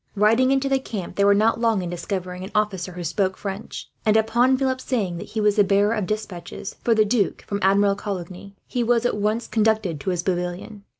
Riding into the camp, they were not long in discovering an officer who spoke French and, upon Philip saying that he was the bearer of despatches for the Duc from Admiral Coligny, he was at once conducted to his pavilion.